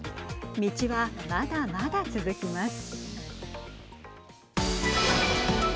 道は、まだまだ続きます。